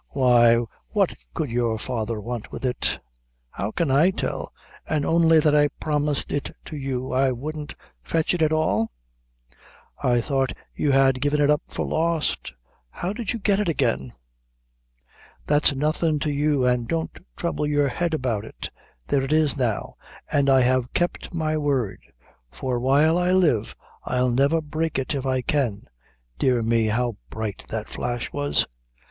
"Why, what could your father want with it?" "How can I tell? an' only that I promised it to you, I wouldn't fetch it at all?" "I thought you had given it up for lost; how did you get it again?" "That's nothing to you, an' don't trouble your head about it. There it is now, an' I have kept my word; for while I live, I'll never break it if I can. Dear me, how bright that flash was!"